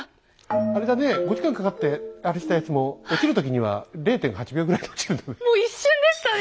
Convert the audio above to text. あれだね５時間かかってあれしたやつも落ちる時には０．８秒ぐらいで落ちるんだね。